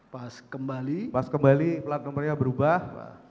pas kembali plat nomornya berubah